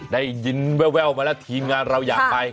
ได้ยินแววมาแล้วทีมงานเราอยากไป